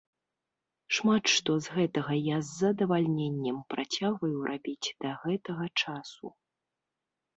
Шмат што з гэтага я з задавальненнем працягваю рабіць да гэтага часу.